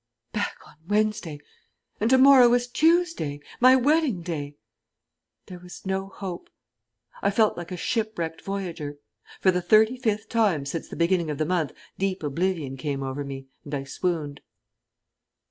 Back on Wednesday! And to morrow was Tuesday my wedding day! There was no hope. I felt like a shipwrecked voyager. For the thirty fifth time since the beginning of the month deep oblivion came over me, and I swooned.